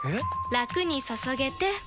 ラクに注げてペコ！